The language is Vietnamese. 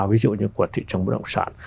ví dụ như của thị trường bất động sản